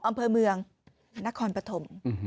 อำเภอเมืองนครปฐม